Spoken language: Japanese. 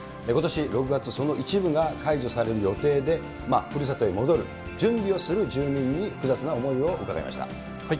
ことし６月、その一部が解除される予定で、ふるさとへ戻る準備をする住民に複雑な思いを伺いました。